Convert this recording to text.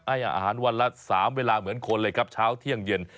อาหารวันละ๓เวลาเหมือนคนเลยครับเช้าเที่ยงเย็น